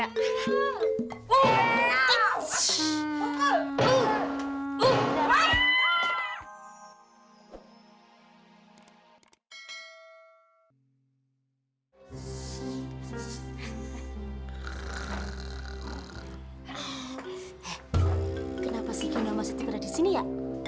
eh kenapa sih gino sama steve ada disini ya